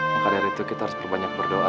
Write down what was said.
maka dari itu kita harus berbanyak berdoa